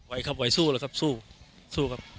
ไหวครับไหวสู้นะครับสู้ครับ